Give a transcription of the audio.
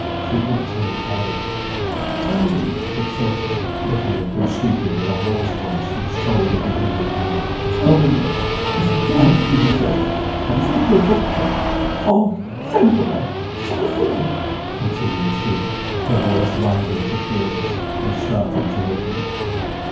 She had not told all. "Tell me," said Sophy, looking up, and speaking in a hoarse voice, which told of the inward pain, "tell me, nurse! Is he dead, did you say? Have you sent for a doctor? Oh! send for one, send for one," continued she, her voice rising to shrillness, and starting to her feet.